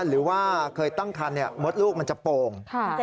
หรือว่าเคยตั้งคันมดลูกมันจะโป่ง